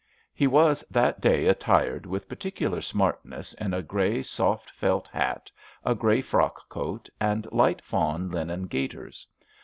He was that day attired with particular smartness in a grey, soft felt hat, a grey frock coat, and light fawn linen gaiters.